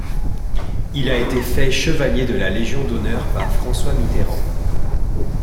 Il a été fait chevalier de la légion d'honneur par François Mitterrand.